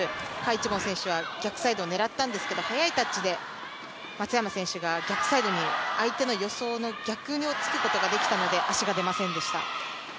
一凡選手は逆サイドを狙ったんですけど、速いタッチで松山選手が逆サイドに、相手の予想の逆を突くことができたので、足が出ませんでした。